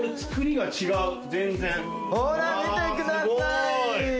ほら見てください。